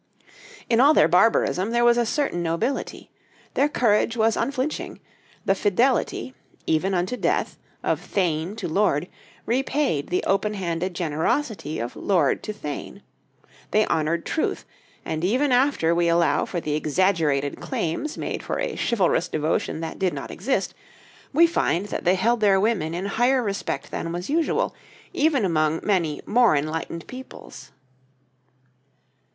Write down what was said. In all their barbarism there was a certain nobility; their courage was unflinching; the fidelity, even unto death, of thane to lord, repaid the open handed generosity of lord to thane; they honored truth; and even after we allow for the exaggerated claims made for a chivalrous devotion that did not exist, we find that they held their women in higher respect than was usual even among many more enlightened peoples.